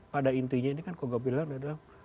pada intinya ini kan konggap wilhan adalah